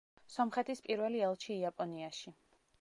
სომხეთის პირველი ელჩი იაპონიაში.